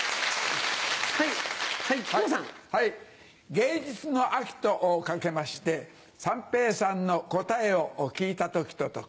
「芸術の秋」と掛けまして三平さんの答えを聞いた時と解く。